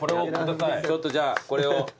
ちょっとじゃあこれを。